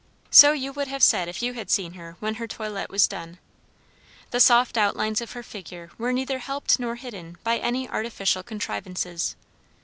So you would have said if you had seen her when her toilette was done. The soft outlines of her figure were neither helped nor hidden by any artificial contrivances.